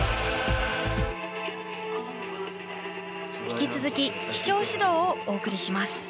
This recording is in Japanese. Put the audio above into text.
引き続き「希少誌道」をお送りします。